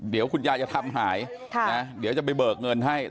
เดี๋ยวคุณยายจะทำหายเดี๋ยวจะไปเบิกเงินให้